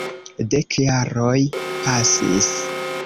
Dek jaroj pasis.